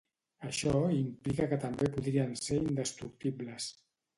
Això implica que també podrien ser indestructibles.